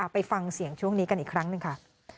ไปฟังเสียงช่วงนี้กันอีกครั้งหนึ่งค่ะ